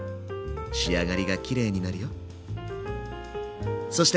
仕上がりがきれいになるよ。